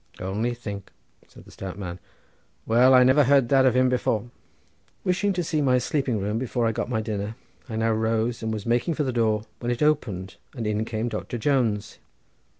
"Only think," said the stout man. "Well, I never heard that of him before." Wishing to see my sleeping room before I got my dinner, I now rose and was making for the door, when it opened, and in came Doctor Jones.